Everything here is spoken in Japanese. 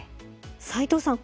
齊藤さん